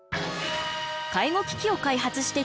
介護機器を開発して起業。